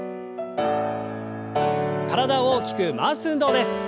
体を大きく回す運動です。